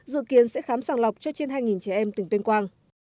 dự kiến sẽ khám sàng lọc cho trên hai trẻ em tỉnh tuyên quang